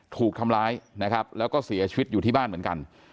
ถูกทำร้ายนะครับแล้วก็เสียชีวิตอยู่ที่บ้านเหมือนกัน